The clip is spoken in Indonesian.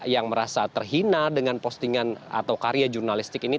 yang merasa terhina dengan postingan atau karya jurnalistik ini